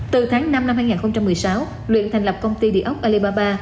từ tháng năm năm hai nghìn một mươi sáu luyện thành lập công ty địa ốc alibaba